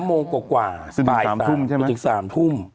๓โมงกว่าสักที๓ทุ่มถึง๓ทุ่ม